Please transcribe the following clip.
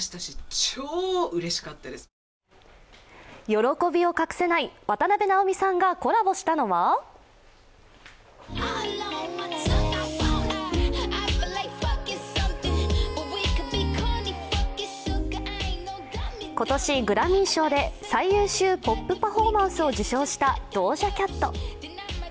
喜びを隠せない渡辺直美さんがコラボしたのは今年、グラミー賞で最優秀ポップ・パフォーマンスを受賞したドージャ・キャット。